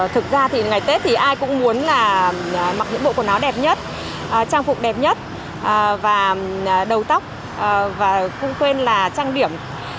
thực ra thì ngày tết thì ai cũng muốn là mặc những bộ quần áo đẹp nhất trang phục đẹp nhất và đầu tóc và không quên là trang điểm